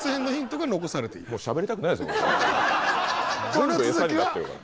全部餌になってるから。